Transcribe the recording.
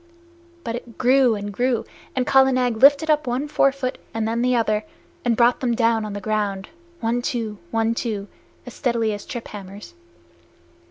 But it grew and grew, and Kala Nag lifted up one forefoot and then the other, and brought them down on the ground one two, one two, as steadily as trip hammers.